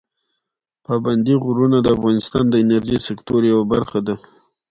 پابندي غرونه د افغانستان د انرژۍ سکتور یوه برخه ده.